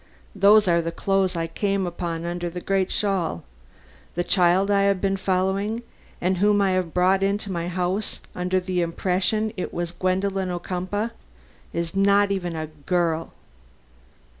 "Those are the clothes I came upon under that great shawl. The child I have been following and whom I have brought into my house under the impression it was Gwendolen Ocumpaugh is not even a girl."